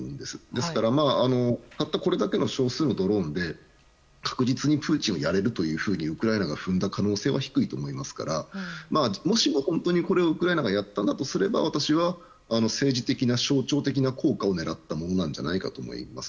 ですから、たったこれだけの少数のドローンで確実にプーチンをやれるとウクライナが踏んだ可能性は低いと思いますからもしも本当にこれをウクライナがやったとしたら私は政治的な象徴的効果を狙ったと思います。